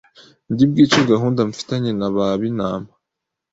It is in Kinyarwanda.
ndi bwice gahunda mfitanye na ba Binama.